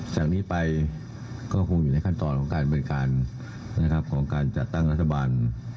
จากนี้ไปก็คงอยู่ในขั้นตอนของการบริการของการจัดตั้งรัฐบาล